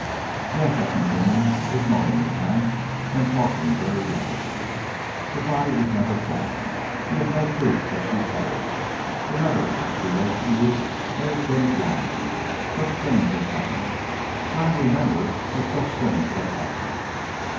"Yes," I continued, ignoring his glance and talking very rapidly; "her body was never found. You have no proof that she perished. The letter that she wrote you may have been a blind. Such things have happened. Try and remember that such things have happened."